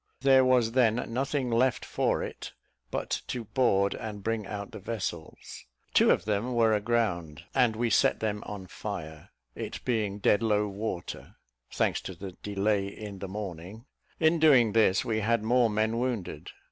There was then nothing left for it but to board, and bring out the vessels. Two of them were aground, and we set them on fire, it being dead low water (thanks to the delay in the morning): in doing this, we had more men wounded.